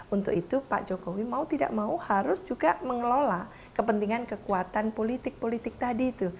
untuk itu pak jokowi mau tidak mau harus juga mengelola kepentingan kekuatan politik politik tadi itu